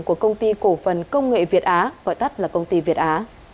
của công ty cổ phần công nghệ việt á gọi tắt là công ty việt á